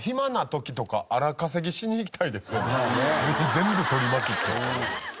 全部取りまくって。